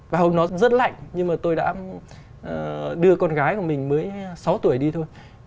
và hôm đó rất lạnh nhưng mà tôi đã đưa con gái của mình mới sáu tuổi đi thôi